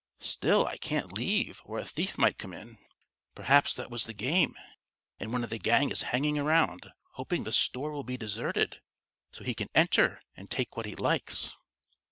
"Still I can't leave, or a thief might come in. Perhaps that was the game, and one of the gang is hanging around, hoping the store will be deserted, so he can enter and take what he likes."